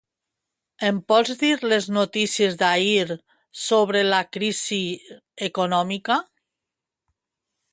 Em pots dir les notícies d'ahir sobre la crisi econòmica?